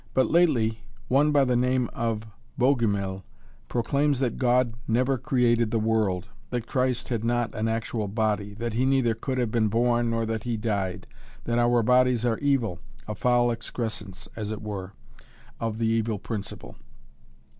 But lately one by the name of Bogumil proclaims that God never created the world, that Christ had not an actual body, that he neither could have been born, nor that he died, that our bodies are evil, a foul excrescence, as it were, of the evil principle.